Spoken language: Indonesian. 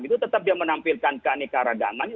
itu tetap dia menampilkan keanekaragaman